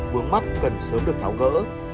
vướng mắc cần sớm được tháo gỡ